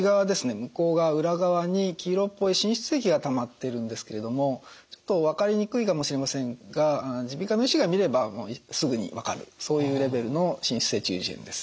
向こう側裏側に黄色っぽい滲出液がたまっているんですけれどもちょっと分かりにくいかもしれませんが耳鼻科の医師が診ればすぐに分かるそういうレベルの滲出性中耳炎です。